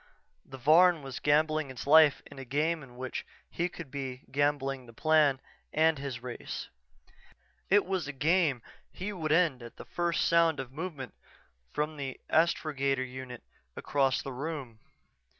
_"The Varn was gambling its life in a game in which he would be gambling the Plan and his race. It was a game he would end at the first sound of movement from the astrogator unit across the room....